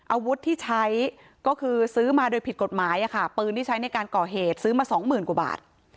อาวุธที่ใช้ก็คือซื้อมาโดยผิดกฎหมายปืนที่ใช้ในการก่อเหตุซื้อมาสองหมื่นกว่าบาท